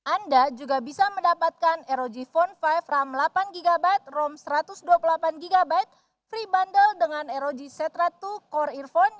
anda juga bisa mendapatkan rog phone lima rom delapan gb rom satu ratus dua puluh delapan gb free bandel dengan rog setra dua core earphone